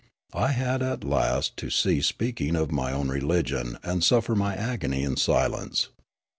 I had at last to cease speaking of my own religion and suffer my agony in silence.